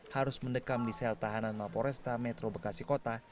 harus mendekam di sel tahanan maporesta metro bekasi kota